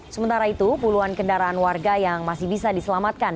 sementara itu puluhan kendaraan warga yang masih bisa diselamatkan